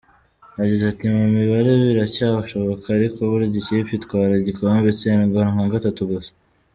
Yagize ati “Mu mibare biracyashoboka ariko burya ikipe itwara igikombe itsindwa nka gatatu gusa.